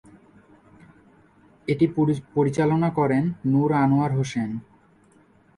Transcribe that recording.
এটি পরিচালনা করেন নুর আনোয়ার হোসেন।